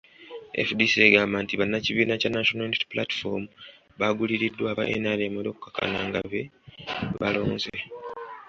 FDC egamba nti bannakibiina kya National Unity Platform baaguliriddwa aba NRM era okukkakkana nga be balonze.